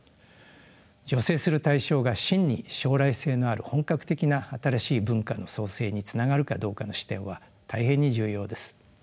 助成する対象が真に将来性のある本格的な新しい文化の創成につながるかどうかの視点は大変に重要です。